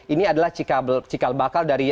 ini adalah cikal bakal dari